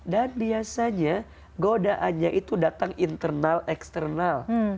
dan biasanya godaannya itu datang internal eksternal